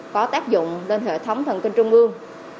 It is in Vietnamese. có tác dụng lên hệ thống thần kinh trung ương